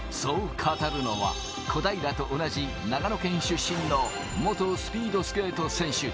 そう語るのは、小平と同じ長野県出身の元スピードスケート選手。